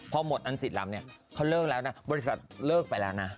พอหมดอัน๑๐ลำเขาเลิกแล้วนะบริษัทเลิกไปแล้วนะ